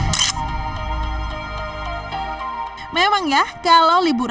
tetap dua puluh lima juta sekedar possa cypher atau campur